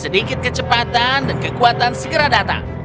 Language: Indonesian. sedikit kecepatan dan kekuatan segera datang